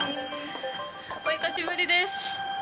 お久しぶりです。